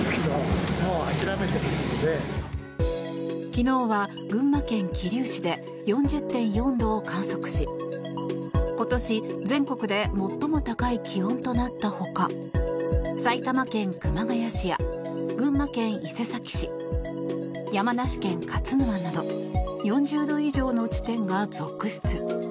昨日は群馬県桐生市で４０．４度を観測し今年全国で最も高い気温となったほか埼玉県熊谷市や群馬県伊勢崎市山梨県勝沼など４０度以上の地点が続出。